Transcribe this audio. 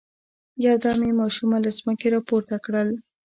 يودم يې ماشومه له ځمکې را پورته کړل.